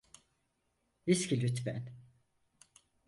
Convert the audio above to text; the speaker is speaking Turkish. Viski lütfen.